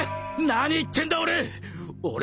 何言ってんだ俺！